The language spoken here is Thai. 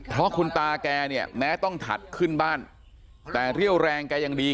เพราะคุณตาแกเนี่ยแม้ต้องถัดขึ้นบ้านแต่เรี่ยวแรงแกยังดี